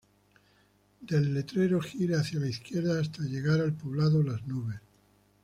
Del letrero, gire hacia la izquierda hasta llegar al poblado las Nubes.